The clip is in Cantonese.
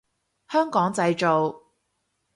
香港製造